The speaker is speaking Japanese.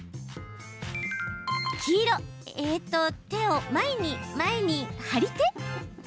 黄色・えーっと、前に前に張り手。